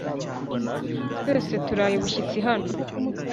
twese turaye bushyitsi hano